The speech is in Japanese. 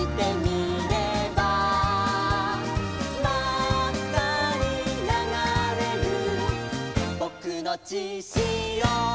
「まっかにながれるぼくのちしお」